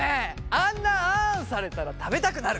あんなあんされたら食べたくなる。